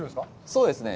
そうですね。